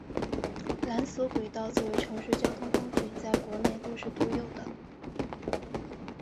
缆索轨道作为城市交通工具在国内都是独有的。